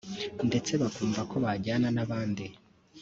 ndetse bakumva ko bajyana n’abandi